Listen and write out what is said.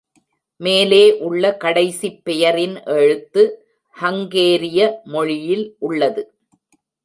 மேலே உள்ள கடைசிப் பெயரின் எழுத்து ஹங்கேரிய மொழியில் உள்ளது.